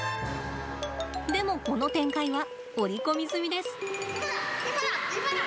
でも、この展開は織り込み済みです。